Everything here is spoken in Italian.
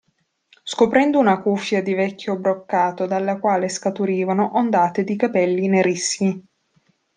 Scoprendo una cuffia di vecchio broccato dalla quale scaturivano ondate di capelli nerissimi.